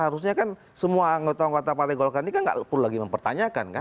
harusnya kan semua anggota anggota partai golkar ini kan nggak perlu lagi mempertanyakan kan